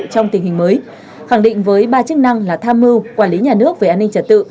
trong tình hình mới khẳng định với ba chức năng là tham mưu quản lý nhà nước về an ninh trật tự